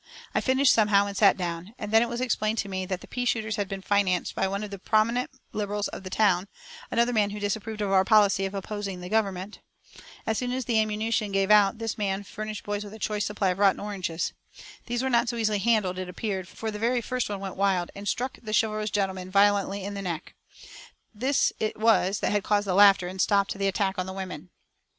I finished somehow, and sat down; and then it was explained to me that the pea shooters had been financed by one of the prominent Liberals of the town, another man who disapproved of our policy of opposing the Government. As soon as the ammunition gave out this man furnished the boys with a choice supply of rotten oranges. These were not so easily handled, it appeared, for the very first one went wild, and struck the chivalrous gentleman violently in the neck. This it was that had caused the laughter, and stopped the attack on the women.